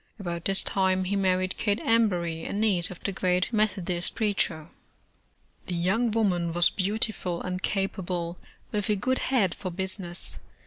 About this time he married Kate Embury, a niece of the great Methodist preacher. The young woman was beautiful and capable, with a good head for business.